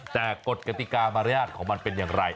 แต่กฎกติกามารยาทของมันเป็นอย่างไร